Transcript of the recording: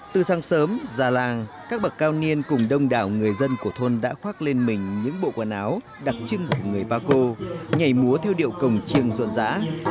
từ sáng sớm già làng các bậc cao niên cùng đông đảo người dân của thôn đã khoác lên mình những bộ quần áo đặc trưng của người pako nhảy múa theo điệu cồng chiêng ruộn rã